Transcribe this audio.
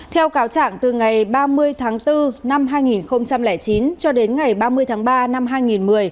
theo cáo trạng từ ngày ba mươi tháng bốn năm hai nghìn chín cho đến ngày ba mươi tháng ba năm hai nghìn một mươi